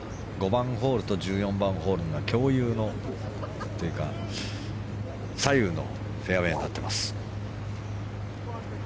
５番ホールと１４番ホールの共有のというか左右のフェアウェーになっています。